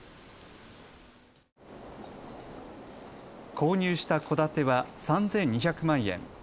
購入した戸建ては３２００万円。